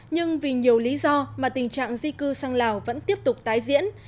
nhưng vì nhiều lý do mà tình trạng di cư sang lào vẫn tiếp tục tái diễn